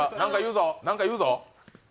何か言うぞ！